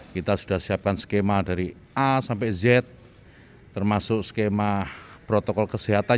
kita sudah siapkan skema dari a sampai z termasuk skema protokol kesehatan